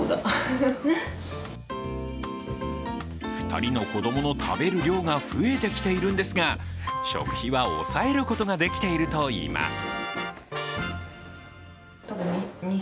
２人の子供の食べる量が増えてきているんですが、食費は抑えることができているといいます。